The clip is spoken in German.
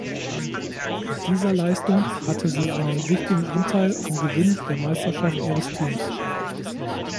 Mit dieser Leistung hatte sie einen wichtigen Anteil am Gewinn der Meisterschaft ihres Teams.